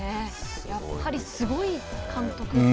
やっぱりすごい監督。